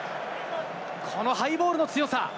このハイボールの強さ！